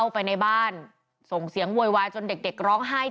เข้าไปในบ้านส่งเสียงโวยวายจนเด็กร้องไห้จ้าเลยอะ